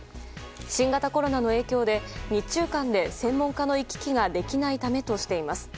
新型コロナの影響で日中間で専門家の行き来ができないためとしています。